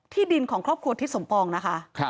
ดินของครอบครัวทิศสมปองนะคะ